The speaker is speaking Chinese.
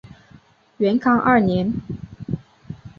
元康二年。